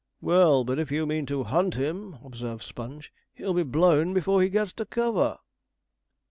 'Well, but if you mean to hunt him,' observed Sponge, 'he'll be blown before he gets to cover.'